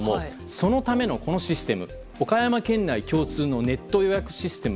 そのためのシステム岡山県内共通のネット予約システム